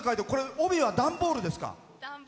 帯は段ボールですか？